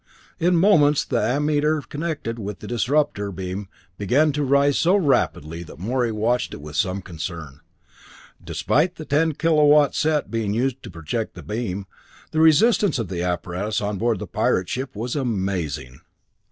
In moments the ammeter connected with the disrupter beam began to rise so rapidly that Morey watched it with some concern. Despite the ten kilowatt set being used to project the beam, the resistance of the apparatus on board the pirate ship was amazing.